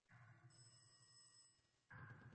Ne-ne yuraklarda urchiydi g’uj-g’uj.